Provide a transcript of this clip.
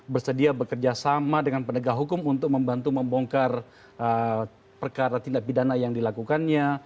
bersedia bekerja sama dengan penegak hukum untuk membantu membongkar perkara tindak pidana yang dilakukannya